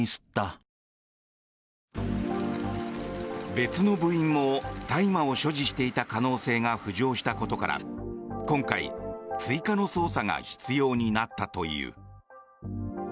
別の部員も大麻を所持していた可能性が浮上したことから今回、追加の捜査が必要になったという。